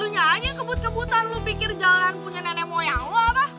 lu nyanyi kebut kebutan lu pikir jalan punya nenek moyang lo apa